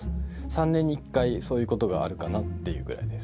３年に１回そういうことがあるかなっていうぐらいです。